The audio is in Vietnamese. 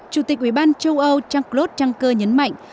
chủ tịch ủy ban châu âu jean claude trang coe nhấn mạnh